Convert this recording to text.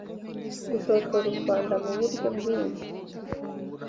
gushotora u Rwanda mu buryo bwinshi